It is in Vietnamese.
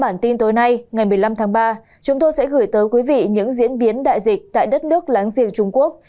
ngày một mươi năm tháng ba chúng tôi sẽ gửi tới quý vị những diễn biến đại dịch tại đất nước láng giềng trung quốc